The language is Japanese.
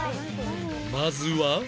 まずは